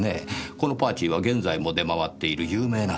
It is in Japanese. この「パーチー」は現在も出回っている有名なスコッチです。